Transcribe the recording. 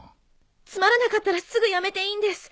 つまらなかったらすぐやめていいんです。